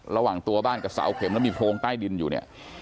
ระหว่างตัวบ้านกับเสาเข็มแล้วมีโพรงใต้ดินอยู่เนี่ย